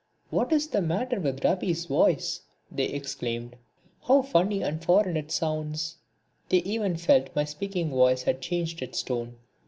"What is the matter with Rabi's voice?" they exclaimed. "How funny and foreign it sounds!" They even felt my speaking voice had changed its tone.